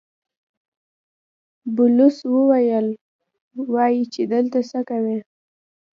بلوڅ وويل: وايي چې دلته څه کوئ؟